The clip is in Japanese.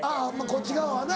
こっち側はな。